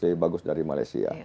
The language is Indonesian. lebih bagus dari malaysia